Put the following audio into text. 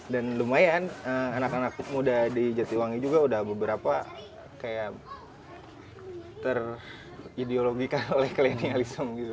dan lumayan anak anak muda di jatiwangi juga udah beberapa kayak terideologikan oleh kleanalisa